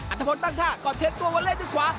อันทฤพธิ์ตั้งท่าก่อนเทคตัววันเล่นด้วยกว่า